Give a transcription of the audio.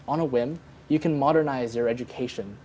anda bisa memodernisasi pendidikan anda